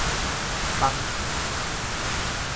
崩去